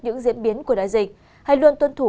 những diễn biến của đại dịch hay luôn tuân thủ